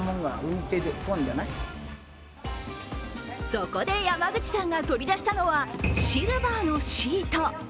そこで山口さんが取り出したのはシルバーのシート。